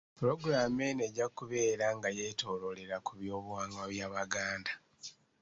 Pulogulaamu eno ejja kubeera nga yeetooloolera ku by’Obuwangwa bw'Abaganda